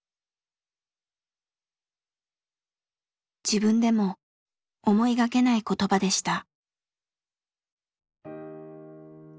自分でも思いがけない言葉でした。